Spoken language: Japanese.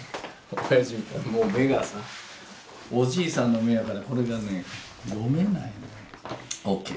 オヤジもう目がさおじいさんの目やからこれがね読めないのよ。ＯＫ。